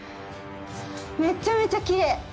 めっちゃめちゃきれい。